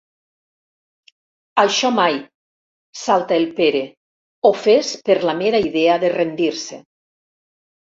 Això mai —salta el Pere, ofès per la mera idea de rendir-se.